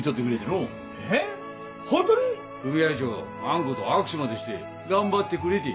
長あん子と握手までして頑張ってくれて。